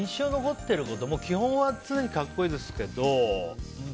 基本は常に格好いいですけど。